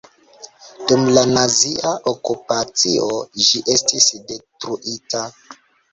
Dum la nazia okupacio ĝi estis detruita.